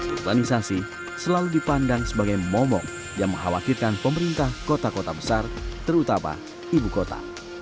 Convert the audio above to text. urbanisasi selalu dipandang sebagai momok yang mengkhawatirkan pemerintah kota kota besar terutama ibu kota